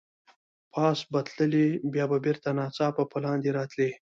پاس به تللې، بیا به بېرته ناڅاپه لاندې راتلې.